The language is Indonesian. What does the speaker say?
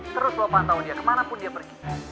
terus lo pantau dia kemanapun dia pergi